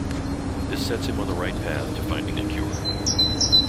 This sets him on the right path to finding a cure.